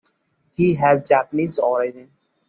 He has Japanese origin.